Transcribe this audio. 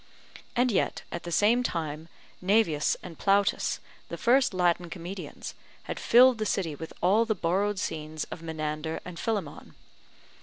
And yet at the same time Naevius and Plautus, the first Latin comedians, had filled the city with all the borrowed scenes of Menander and Philemon.